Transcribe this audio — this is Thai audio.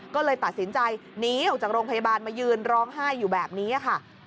ก็เลยตัดสินใจหนีออกจากโรงพยาบาลมายืนร้องไห้อยู่แบบนี้ค่ะ